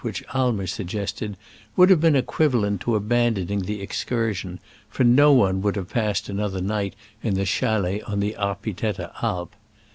which Aimer suggested, <vould have been equivalent to abandoning the ex cursion, for no one would have passed another night in the chalet on the Arpi tetta Alp.